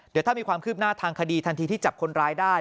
เดี๋ยวถ้ามีความคืบหน้าทางคดีทันทีที่จับคนร้ายได้